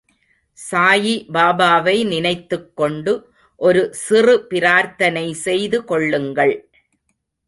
சாயிபாபாவை நினைத்துக் கொண்டு ஒரு சிறு பிராத்தனை செய்து கொள்ளுங்கள்.